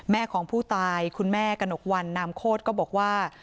แม่ของผู้ตายคุณแม่กระหนกวันนามโคตรก็บอกว่า